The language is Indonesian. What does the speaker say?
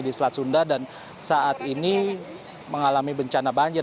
di selat sunda dan saat ini mengalami bencana banjir